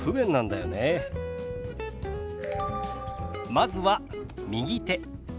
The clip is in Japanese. まずは「右手」。